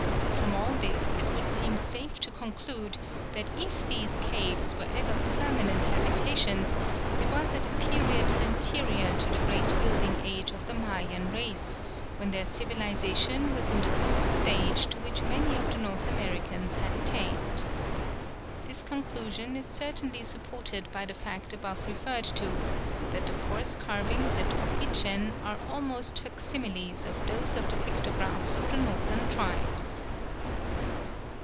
From all this it would seem safe to conclude that if these caves were ever permanent habitations, it was at a period anterior to the great building age of the Mayan race, when their civilisation was in the crude stage to which many of the North Americans had attained. This conclusion is certainly supported by the fact above referred to, that the coarse carvings at Opichen are almost facsimiles of those of the pictographs of the Northern tribes.